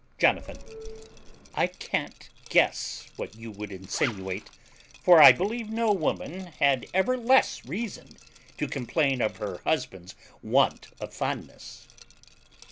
Jonathan. I can't guess what you would insinuate, for I believe no woman had ever less reason to complain of her husband's want of fondness.